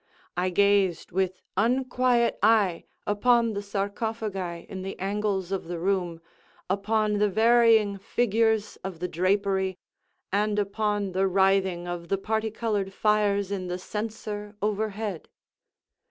I gazed with unquiet eye upon the sarcophagi in the angles of the room, upon the varying figures of the drapery, and upon the writhing of the parti colored fires in the censer overhead.